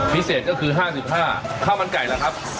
พิเศษก็คือ๕๕ข้าวมันไก่ล่ะครับ